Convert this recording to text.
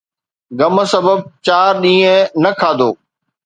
غم سبب چار ڏينهن نه کاڌو